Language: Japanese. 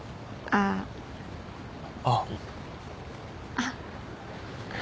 あっ。